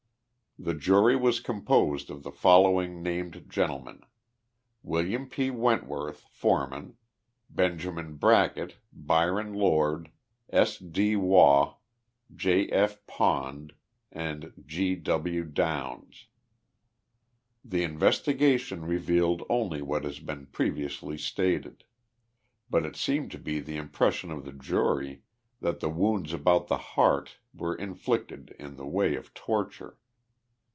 The jury was composed of the following named gen tlemen : William P. Wentworth, foreman, Benjamin Bracket, Bvron Lord. S. D. Waugh. J. F. Pond and G. W. Downs. — 7 C J ' The investigation revealed only what has been previously stated ; but it seemed to be the impression of the jury that the wounds 35 THE LIFE OF JESSE HARDIXG POMEROY. about the heart were inflicted in the way of torture.